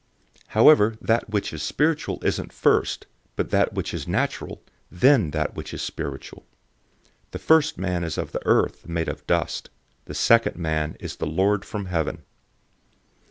015:046 However that which is spiritual isn't first, but that which is natural, then that which is spiritual. 015:047 The first man is of the earth, made of dust. The second man is the Lord from heaven.